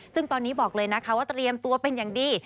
ซึ่งตอนนี้บอกเลยนะคะว่าเตรียมตัวเป็นอย่างดี